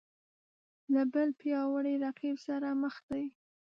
له بل پیاوړي رقیب سره مخ دی